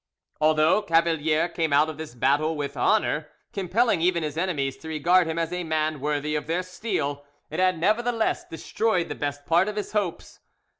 Although Cavalier came out of this battle with honour, compelling even his enemies to regard him as a man worthy of their steel, it had nevertheless destroyed the best part of his hopes.